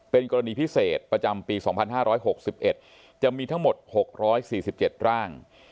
เป็นกรณีพิเศษประจำปี๒๕๖๑จะมีทั้งหมด๖๔๗ร่าง